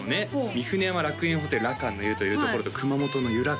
御船山楽園ホテルらかんの湯というところと熊本の湯らっ